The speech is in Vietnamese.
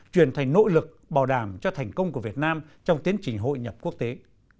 truyền thành nội lực bảo đảm cho thành công của việt nam trong tiến trình hội nhập quốc tế